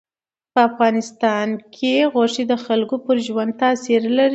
په افغانستان کې غوښې د خلکو پر ژوند تاثیر کوي.